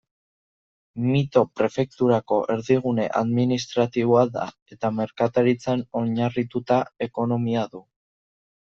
Mito prefekturako erdigune administratiboa da eta merkataritzan oinarritutako ekonomia du.